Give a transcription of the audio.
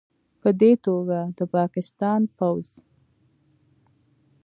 پدې توګه، د پاکستان پوځ